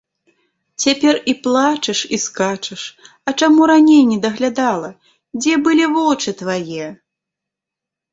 Цяпер і плачаш, і скачаш, а чаму раней не даглядала, дзе былі вочы твае?